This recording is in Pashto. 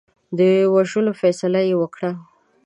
د وژلو فیصله یې وکړه.